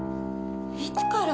いつから？